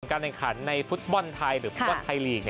การแข่งขันในฟุตบอลไทยหรือฟุตบอลไทยลีก